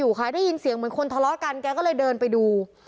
ค่ะได้ยินเสียงเหมือนคนทะเลาะกันแกก็เลยเดินไปดู